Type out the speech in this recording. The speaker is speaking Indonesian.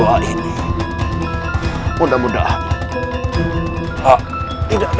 agar kita bisa bertahan hidup